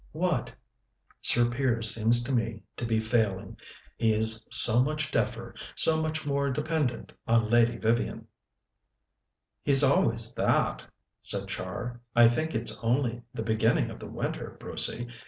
"What?" "Sir Piers seems to me to be failing; he is so much deafer, so much more dependent on Lady Vivian." "He's always that," said Char. "I think it's only the beginning of the winter, Brucey.